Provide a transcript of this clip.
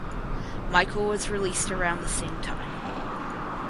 Michael was released around the same time.